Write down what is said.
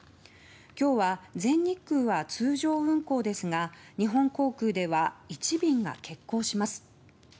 今日は全日空は通常運航ですが日本航空では１便が欠航します。